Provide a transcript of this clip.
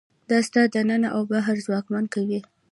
دا ستا دننه او بهر ځواکمن کوي.